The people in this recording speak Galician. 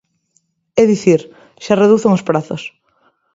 É dicir, xa reducen os prazos.